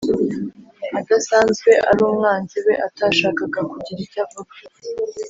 Adasanzwe ari umwanzi we atashakaga kugira icyo avuga